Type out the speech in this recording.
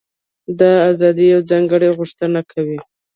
دا ازادي یوه ځانګړې غوښتنه کوي.